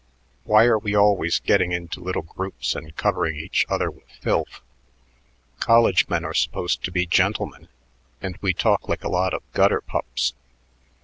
Why are we always getting into little groups and covering each other with filth? College men are supposed to be gentlemen, and we talk like a lot of gutter pups."